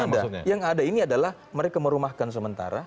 ada yang ada ini adalah mereka merumahkan sementara